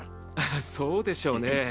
そうでしょうね。